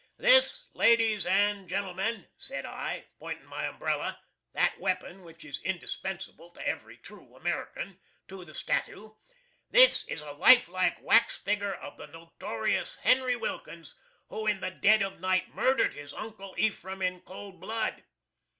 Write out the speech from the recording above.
"This, ladies and gentlemen," said I, pointing my umbrella (that weapon which is indispensable to every troo American) to the stattoo, "this is a life like wax figger of the notorious HENRY WILKINS, who in the dead of night murdered his Uncle EPHRAM in cold blood.